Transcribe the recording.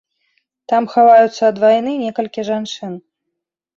Там хаваюцца ад вайны некалькі жанчын.